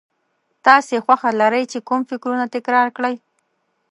تاسې خوښه لرئ چې کوم فکرونه تکرار کړئ.